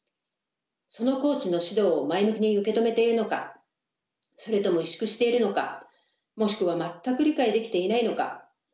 そのコーチの指導を前向きに受け止めているのかそれとも委縮しているのかもしくは全く理解できていないのか。